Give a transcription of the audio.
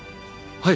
はい。